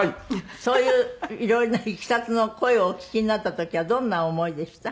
そういう色んないきさつの声をお聞きになった時はどんな思いでした？